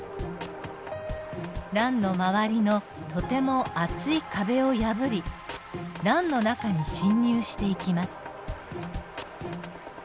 卵の周りのとても厚い壁を破り卵の中に侵入していきます。